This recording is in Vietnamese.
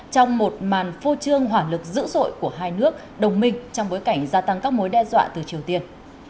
trong một màn phô trương hỏa lực dữ dội của hai nước đồng minh trong bối cảnh gia tăng các mối đe dọa từ triều tiên